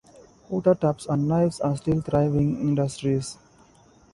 Water taps and knives are still thriving industries.